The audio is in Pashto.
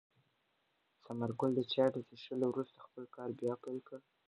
ثمر ګل د چای له څښلو وروسته خپل کار بیا پیل کړ.